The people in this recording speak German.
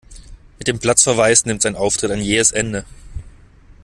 Mit dem Platzverweis nimmt sein Auftritt ein jähes Ende.